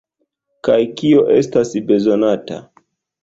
Kaj kio estas bezonata?